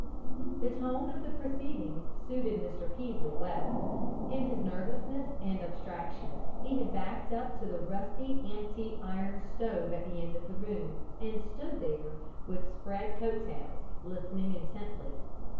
The tone of the proceedings suited Mr. Peaslee well. In his nervousness and abstraction he had backed up to the rusty, empty iron stove at the end of the room, and stood there, with spread coat tails, listening intently.